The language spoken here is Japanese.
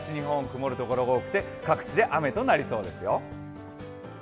曇るところが多くて各地で雨となりそうですよ。